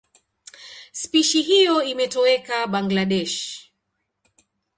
Spishi hiyo imetoweka Bangladesh.